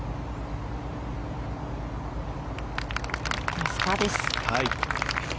ナイスパーです。